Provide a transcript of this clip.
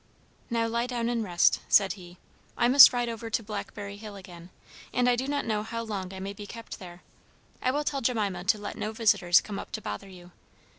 "Now lie down and rest," said he. "I must ride over to Blackberry Hill again and I do not know how long I may be kept there. I will tell Jemima to let no visitors come up to bother you.